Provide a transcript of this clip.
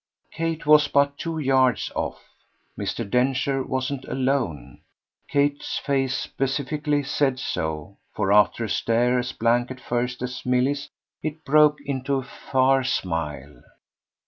Kate was but two yards off Mr. Densher wasn't alone. Kate's face specifically said so, for after a stare as blank at first as Milly's it broke into a far smile.